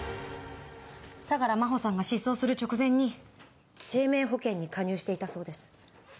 相良真帆さんが失踪する直前に生命保険に加入していたそうです。